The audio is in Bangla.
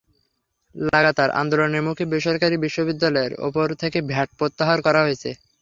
লাগাতার আন্দোলনের মুখে বেসরকারি বিশ্ববিদ্যালয়ের ওপর থেকে ভ্যাট প্রত্যাহার করা হয়েছে।